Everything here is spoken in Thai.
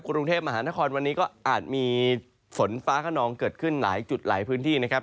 กรุงเทพมหานครวันนี้ก็อาจมีฝนฟ้าขนองเกิดขึ้นหลายจุดหลายพื้นที่นะครับ